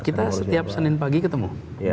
kita setiap senin pagi ketemu